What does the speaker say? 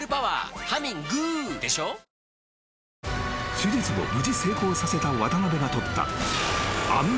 ［手術を無事成功させた渡邊が取った］